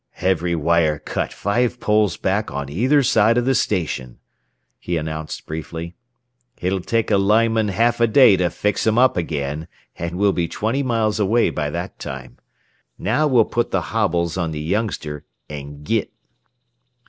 "Every wire cut five poles back on either side of the station," he announced briefly. "It'll take a lineman half a day to fix 'em up again, and we'll be twenty miles away by that time. Now we'll put the hobbles on the youngster, and git."